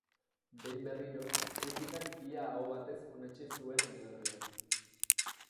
Behin berriro, kritikak ia aho batez onetsi zuen eleberria.